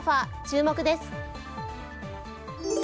注目です。